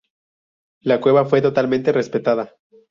La cueva fue totalmente respetada.